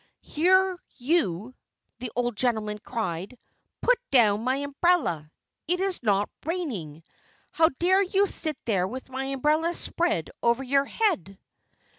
"Here, you!" the old gentleman cried. "Put down my umbrella! It's not raining. How dare you sit there with my umbrella spread over your head?"